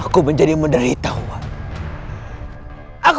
kapan dalam hidupmu